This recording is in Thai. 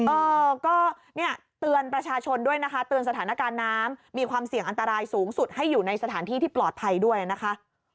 เออก็เนี่ยเตือนประชาชนด้วยนะคะเตือนสถานการณ์น้ำมีความเสี่ยงอันตรายสูงสุดให้อยู่ในสถานที่ที่ปลอดภัยด้วยนะคะ